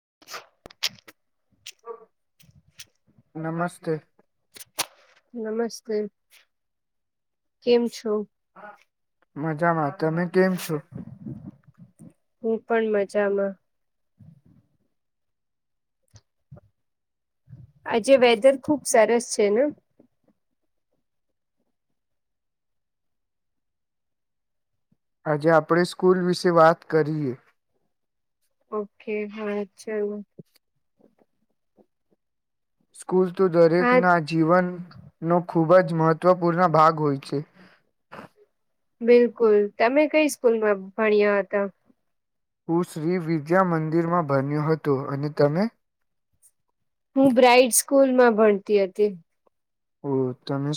[inaudible] નમસ્તે નમસ્તે કેમ છો મજામાંત તમે કેમ છો હું પણ મજામાં આજે વેધર ખુબ સરસ છે ને આજે આપણે સ્કૂલ વિશે વાત કરીએ ઓકે હ શરૂ સ્કૂલ તો દરેક હા ના જીવન નો ખૂબ જ મહત્વપૂર્ણ ભાગ હોય છે. બિલકુલ તમે કઈ સ્કૂલમાં ભણ્યા હતા હું શ્રી વિદ્યા મંદિરમાં બન્યો હતો અને તમે સ્કૂલ માં ભણતી હતી ઓ તમે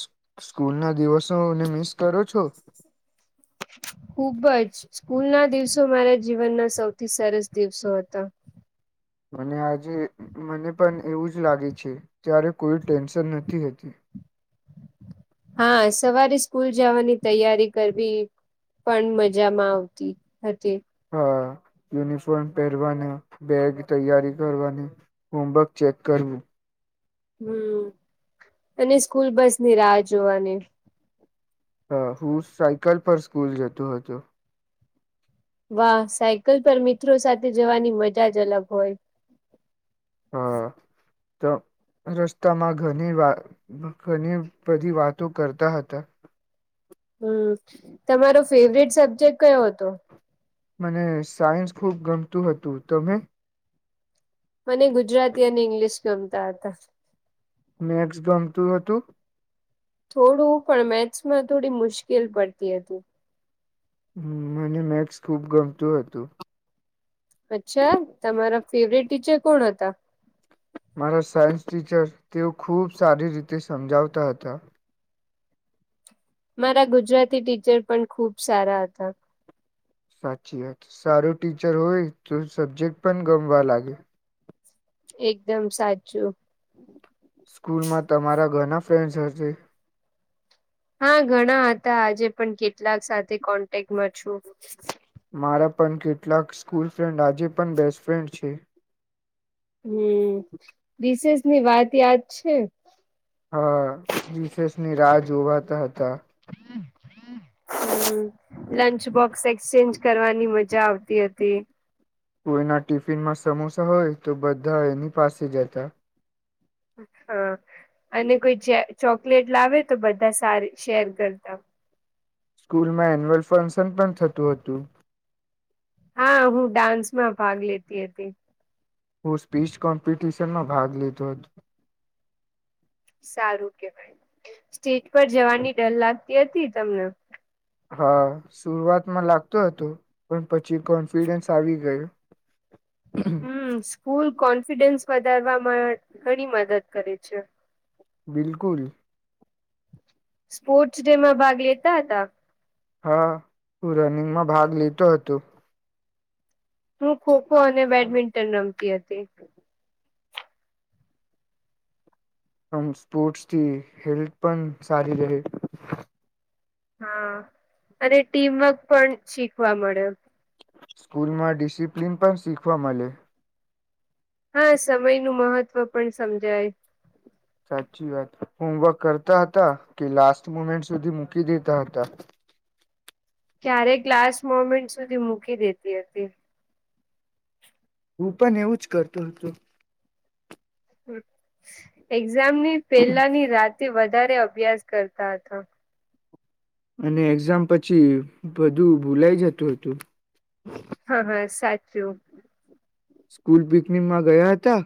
સ્કૂલ ના દિવસોને મિસ કરો છો ખુબ જ સ્કૂલના દિવસો મારા જીવનના સૌથી સરસ દિવસો હતા મને આજે મને પણ એવું જ લાગે છે ત્યારે કોઈ ટેન્શન નથી હોતુ હા સવારે સ્કૂલ જવાની તૈયારી કરવી પણ મજામાં આવતી હતી હા યુનિફોર્મ પહેરવાના બેગ તૈયારી કરવાની હોમવર્ક ચેક કરવું હમ અને સ્કૂલ બસ ની રાહ જોવાની હા હું સાયકલ પર સ્કૂલ જતો હતો વાહ સાયકલ પર મિત્રો સાથે જવાની મજા જ અલગ હોય હા તો રસ્તામાં ઘણી વા ઘણી બધી વાતો કરતા હતા હમ તમારો ફેવરેટ સબ્જેક્ટ કયો હતો મને સાયન્સ ખૂબ ગમતું હતું તમે મને ગુજરાતી અને ઇંગ્લિશ ગમતા હતા મેકટસ ગમતું હતું થોડું પણ મેથ્સમાં થોડી મુશ્કેલ પડતી હતી હ મને મેક્સ ખૂબ ગમતું હતું અચ્છા તમારા ફેવિરેટ ટીચર કોણ હતા મારા સાયન્સ ટીચર તેઓ ખૂબ સારી રીતે સમજાવતા હતા મારા ગુજરાતી ટીચર પણ ખુબ સારા હતા સાચી વાત સારું ટીચર હોય તો સબ્જેક્ટ પણ ગમવા લાગે એકદમ સાચુ સ્કૂલમાં તમારા ઘણા ફ્રેન્ડ્સ હશે હા ઘણા હતા આજે પણ કેટલાક સાથે કોન્ટેક્ટમાં છું. મારા પણ કેટલાક સ્કૂલ ફ્રેન્ડ આજે પણ બેસ્ટફ્રેન્ડ છે. હમ વિશેષ ની વાત યાદ છે. હા વીસેસની રાહ ઉભાતા હતા હમ લંચ બોક્સ એક્સચેન્જ કરવાની મજા આવતી હતી કોઈના ટિફિનમાં સમોસા હોય તો બધા એની પાસે જતા હા અને કોઈ ચોકલેટ લાવે તો બધા સારી શેર કરતા સ્કૂલમાં એન્યુઅલ ફંક્શન પણ થતું હતું હા હું ડાન્સમાં ભાગ લેતી હતી હું સ્પીચ કોમ્પિટીસ એ માં ભાગ લીધો હતો. સારું કેવાય સ્ટેજ પર જવાની ડર લાગતી હતી તમને. હા શરઆતમાં લાગતો હતો પણ પછી કોન્ફિડન્સ આવી ગયો. [unintelligible] ફૂલ કોન્ફિડન્સ વધારવામાં ઘણી મદદ કરે છે. બિલકુલ. સ્પોર્ટ્સ ડે માં ભાગ લેતા હતા? હા હું રનિંગમાં ભાગ લીતો હતો. હુ. ખો ખો અને બેડમિન્ટન રમ. તી અતી. આમ સ્પોર્ટ્સથી હેલ્થ પણ સારી રહે. હા અને ટીમવર્ક પણ શીખવા મળ્યો. સ્કૂલમાં ડિસિપ્લિન પણ શીખવા મલે. હા સમય નું મહત્વ પણ સમજાય. સાચી વાત હોમવર્ક કરતા હતા કે લાસ્ટ મુમેન્ટ સુધી મૂકી દેતા હતા. ક્યારે ક્લાાસ મોમેન્ટ સુધી મૂકી દેતી હતી. હું પણ એવું જ કરતો હતો. એક્ઝામની પેલાની રાતે વધારે અભ્યાસ કરતા હતા. અને એક્ઝામ પછી બધું ભૂલાઈ જતું હતું. હા હા, સાચું. સ્કૂલ પિકનિકમાં ગયા હતા.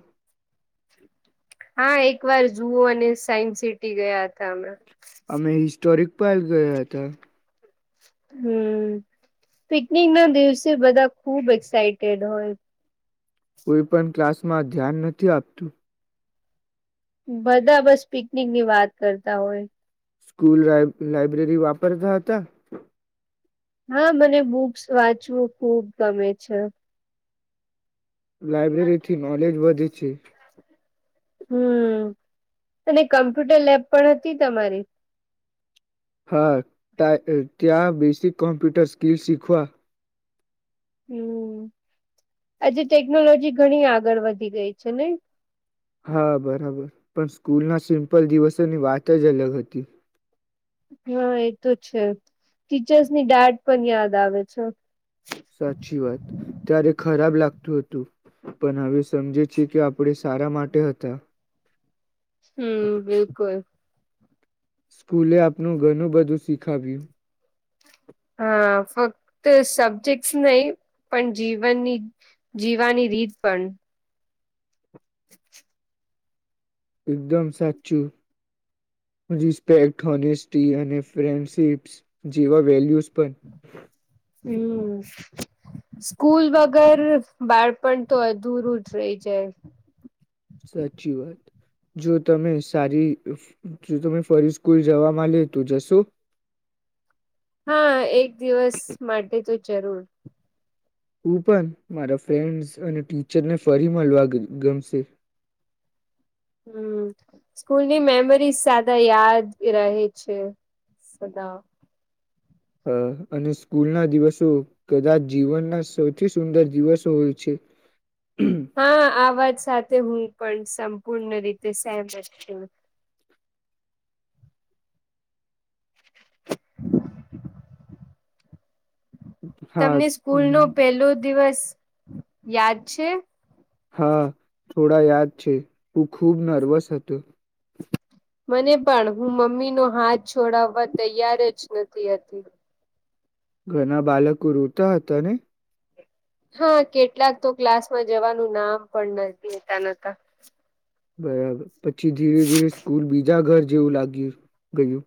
હા એકવાર જુ અને સાયન્સ સિટી ગયા હતા હમણાં. અમે હિસ્ટોરિક પાર્ક ગયા હતા. હમ્મ, પિકનિકના દિવસે બધા ખૂબ એક્સાઈટેડ હોય. કોઈ પણ ક્લાસમાં ધ્યાન નથી આપતું. બધા બસ પિકનિકની વાત કરતા હોય. સ્કૂલ લાઈ લાઈબ્રેરી વાપરતા હતા. હા મને બુક્સ વાંચવું ખૂબ ગમે છે. લાયબ્રેરીથી નોલેજ વધી. છે. હમ્મ, અને કમ્પ્યુટર લેબ પણ હતી તમારી. હા તા ત્યાં બેસિક કમ્પ્યુટર સ્કિલ શીખવા. હમ્મ, આજે ટેકનોલોજી ઘણી આગળ વધી ગઈ છે ને. હા બરાબર પણ સ્કૂલનાં સિમ્પલ દિવસોની વાત જ અલગ હતી. હા, એતો છે ટીચર્સની ડાટ પણ યાદ આવે છે. સાચી વાત, ત્યારે ખરાબ લાગતું હતું પણ હવે સમજે છે કે આપણે સારા માટે હતા. હમ્મ બિલકુલ. સ્કૂલે આપણું ઘણું બધું શીખાવ્યું. હા, ફક્ત સબ્જેક્ટસ નય પણ જીવનની જીવાની રીત પણ. [inaudible] એકદમ સાચું રિસ્પેક્ટ, હોનેસ્ટી અને ફ્રેન્ડશિપસ જેવા વેલ્યુ પણ. હમ્મ, સ્કૂલ વગર બાળપણતો અધુરું જ રય જાય. સાચી વાત, જો તમે સારી જો તમે ફરી સ્કૂલ જવામાં લે તો જશો? હા, એક દિવસ માટે તો. જરૂર. હું પણ મારા ફ્રેન્ડસ અને ટીચરને ફરી મળવા ગમશે. હમ, સ્કૂલની મેમરીઝ સાદા યાદ રહે છે સદા. હ અને સ્કૂલના દિવસો કદાચ જીવનના સૌથી સુંદર દિવસો હોય છે. હા, આ વાત સાથે હું પણ સંપૂર્ણ રીતે સેમ. હા તમને સ્કૂલનો પેલ્લો દિવસ યાદ છે.? હા, થોડા યાદ છે હું ખૂબ નર્વસ હતો. મને પણ હું મમ્મીનો હાથ છોડાવવા તૈયાર જ નથી હતી. ઘણા બાલકો રોતા હતા ને? હા, કેટલાક તો ક્લાસમાં જવાનું નામ પણ નથી લેતા નતા. બરાબર. પછી ધીરે ધીરે સ્કૂલ બીજા ઘર જેવું લાગ્યું ગયું.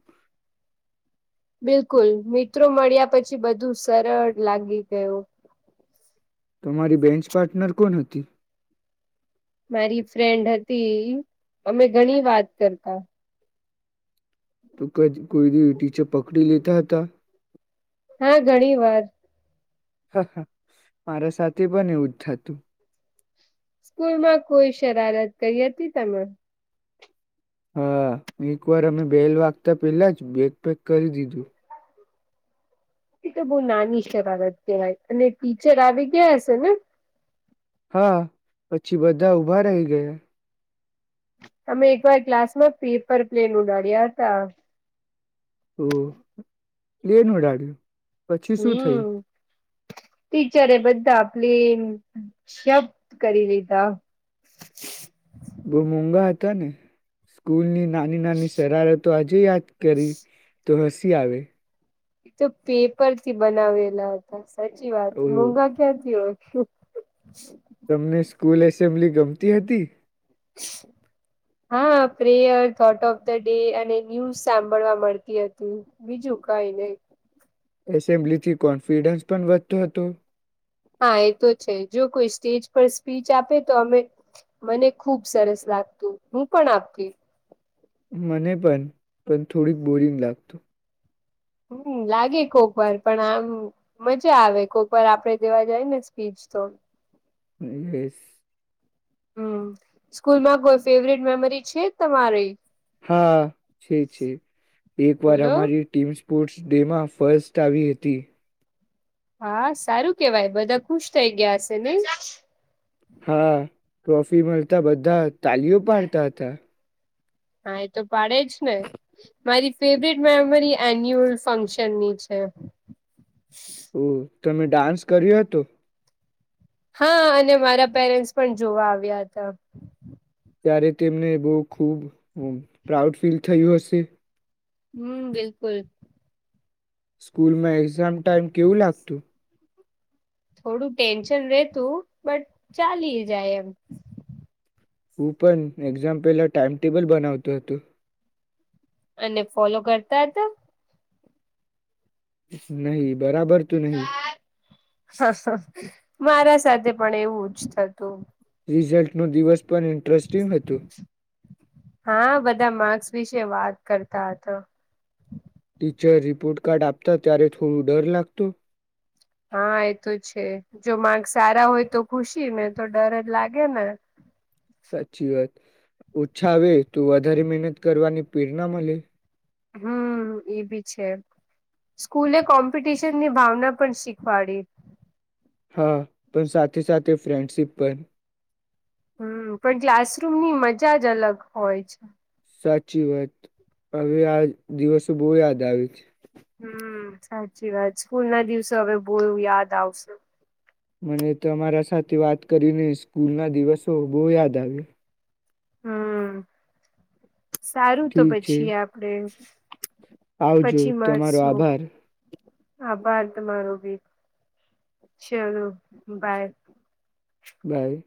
બિલકુલ, મિત્રો મળ્યા પછી બધું સરળ લાગી ગયું. તમારી બેન્ચ પાર્ટનર કોણ હતી? મારી ફ્રેન્ડ હતી અમે ઘણી વાત કરતા તો ક કોઈ દિવ ીચે પકડી લેતા હતા હા ઘણી વાર હ હ મારા સાથે બને એવું જ થતું સ્કૂલમાં કોઈ શરારત કઈ હતી તમે હા એક વાર અમે બેલ વાગતા પેલા જ બેગ પેગ કરી દીધું એ તો બહુ નાની છે બાબત કહેવાય અને ટીચર આવી ગયા હ છે ને હા પછી બધા ઉભા રહી ગયા તમે એકવાર ક્લાસ માં પેપર પ્લેન ઉડાડ્યા હતા હમ લેનડાડ્યું પછી શું થયું હમ્મ. ટીચરે બધા આપલી શબ્દ કરી લીધા બહ મોઘા હતા ને સ્કૂલ ની નાની નાની શેારત તો આજે યાદ કરી તો હસી આવે તો પેપર થી બનાવેલા હતા સાચી વાત ઓ મોૂઘા ક્યાંથી હોય શ તમને સ્કૂલ એસેમ્બલી ગમતી હતી હા prayer thought of the day અને ન્યુઝ સાંભળવા મળતી હતી બીજું કઈ નને એસેમ્બ્લી થી કોન્ફિડન્સ પણ વધતો હતો હા એ તો છે જો કોઈ સ્ટેજ પર સ્પીચ આપે તો અમે મને ખુબ સરસ લાગતું હું પણ આપતી મને પણ પણ થોડીક બોરિંગ લાગતું હમ લાગે કોક વાર પણ આમ મજા આવે કોક વાર આપડે દેવા જાય ને સ્પીજ તો. યસ. હમ સ્કૂલમાં કોઈ ફેવરેટ મેમરી છે તમારી? હા છે છે, એક વાર બોલો અમારી ટીમ સ્પોર્ટ્સ ડેમાં ફર્સ્ટ આવી હતી. હા સારું કેવાય બધા ખુશ થઇ ગયા છે ને. હા ટ્રોફી મળતા બધા તાલીઓ પાડતા હતા. આ તો પાડે જ ને. મારી ફેવરેટ મેમરી એન્યુઅલ ફંક્શનની છે. હમ. તમે ડાન્સ કર્યો હતો? હા અને મારા પેરેન્ટ્સ પણ જોવા આવ્યા હતા. ત્યારે તેમને બહ ખુબ પ્રાઉડ ફીલ થયું હશે. હમ બિલકુલ. સ્કૂલમાં એક્ઝામ ટાઈમ કેવું લાગતું? થોડું ટેન્શન રેતું બટ ચાલી જાય એમ. હું પણ એક્ઝામ પહેલા ટાઈમટેબલ બનાવતો હતો. અને ફોલો કરતા હતા? નહી બરાબર તું નહી. મારા સાથે પણ એવું જ થતું. રિઝલ્ટનો દિવસ પણ ઇન્ટરેસ્ટિંગ હતો હા બધા માર્ક્સ વિશે વાત કરતા હતા. ટીચર રિપોર્ટ કાર્ડ આપતા ત્યારે થોડું ડર લાગતો. હા એ તો છે, જો માગ સારા હોય તો ખુશી ને તો ડર જ લાગે ને. સાચી વાત, ઓછા આવે તું વધારે મહેનત કરવાની પ્રેરણા મળે. હમ એ બી છે, સ્કૂલે કોમ્પિટિશન ની ભાવના પણ શીખવાડી. હા પણ સાથે સાથે ફ્રેન્ડશિપ પણ. હમ પણ ક્લાસરૂમની મજા જ અલગ હોય છે. સાચી વાત, હવે આ દિવસો બહુ યાદ આવે છે. હમ સાચી વાત, સ્કૂલ ના દિવસે હવે બહુ યાદ આવશે. મને તમારા સાથે વાત કરીને સ્કૂલ ના દિવસો બહુ યાદ આવ્યા. હમ. સારું તો ઠીક છે પછી આપડે આવજો પછી તમારો મળશું આભાર. આભાર તમારો બી, ચાલો બાય. બાય.